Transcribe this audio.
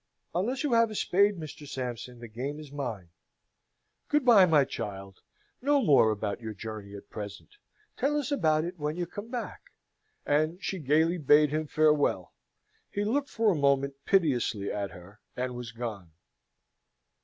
Unless you have a spade, Mr. Sampson, the game is mine. Good bye, my child! No more about your journey at present: tell us about it when you come back!" And she gaily bade him farewell. He looked for a moment piteously at her, and was gone.